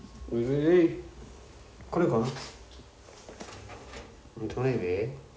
これかな？